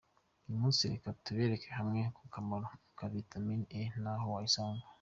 Uyu munsi reka turebere hamwe ku kamaro ka vitamine E n’aho wayisanga.